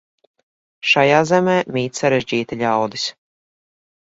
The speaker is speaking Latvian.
Šajā zemē mīt sarežģīti ļaudis.